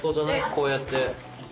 こうやって。